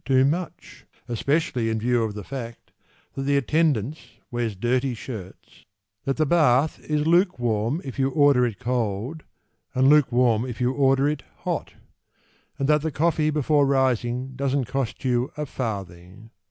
too much, Especially in view of the fact That the attendance wears dirty shirts, That the bath Is lukewarm if you order it cold And lukewarm if you order it hot; And that the coffee before rising Doesn't cost you a farthing.